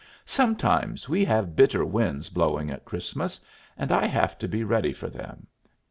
"Sometimes we have bitter winds blowing at Christmas, and I have to be ready for them.